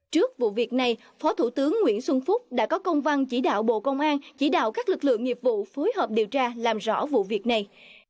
trước vụ việc này phó thủ tướng nguyễn xuân phúc đã có công văn chỉ đạo bộ công an chỉ đạo các lực lượng nghiệp vụ phối hợp điều tra làm rõ vụ việc này